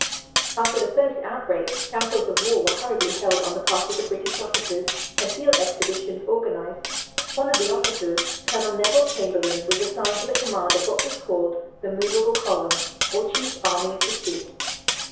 After the first outbreaks, councils of war were hurriedly held on the part of the British officers, and field expeditions organized. One of the officers, Colonel Neville Chamberlain, was assigned to the command of what was called the "Movable Column," or chief army of pursuit.